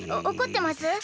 おこってます？